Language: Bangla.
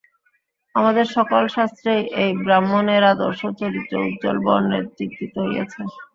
আমাদের সকল শাস্ত্রেই এই ব্রাহ্মণের আদর্শ চরিত্র উজ্জ্বল বর্ণে চিত্রিত হইয়াছে।